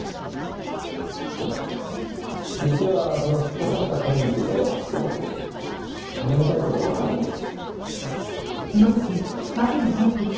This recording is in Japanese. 実はそのすっぽかした彼について頼みたい事があるんです。